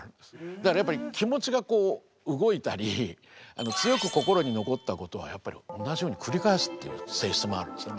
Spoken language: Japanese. だからやっぱり気持ちがこう動いたり強く心に残ったことはやっぱり同じように繰り返すっていう性質もあるんですね。